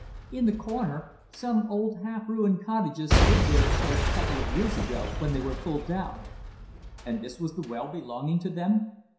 "In the corner. Some old, half ruined cottages stood here till a couple of years ago, when they were pulled down." "And this was the well belonging to them?"